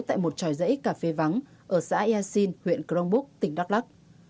tại một tròi rẫy cà phê vắng ở xã e xin huyện cronbúc tỉnh đắk lắk